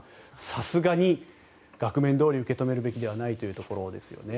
さすがに額面どおりに受け止めるべきではないというところですね。